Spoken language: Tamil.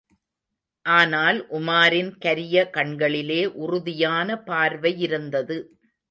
ஆனால் உமாரின் கரிய கண்களிலே உறுதியான பார்வையிருந்தது.